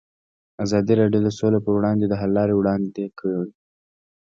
ازادي راډیو د سوله پر وړاندې د حل لارې وړاندې کړي.